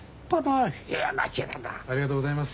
ありがとうございます。